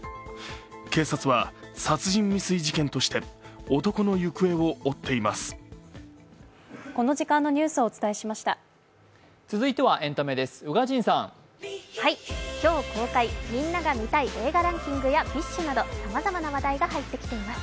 警察は殺人未遂事件として男の行方を追っています。